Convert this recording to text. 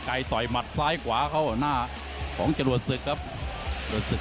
กันยำตัวยากแล้ว